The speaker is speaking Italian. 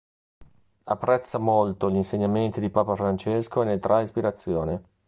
Apprezza molto gli insegnamenti di papa Francesco e ne trae ispirazione.